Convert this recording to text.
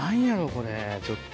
これちょっと。